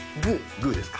グーですか。